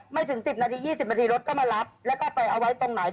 ไม่ถึง๑๐นาที๒๐นาทีรถก็มารับแล้วก็ไปเอาไว้ตรงไหน